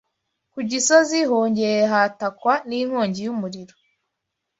ku Gisozi hongeye hatakwa n’inkongi y’ umuriro